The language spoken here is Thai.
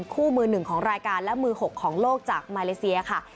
คู่มือหนึ่งของรายการและมือ๖ของโลกจากมาเลเซียค่ะ